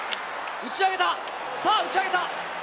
打ち上げた、さあ、打ち上げた！